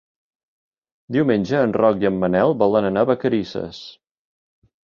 Diumenge en Roc i en Manel volen anar a Vacarisses.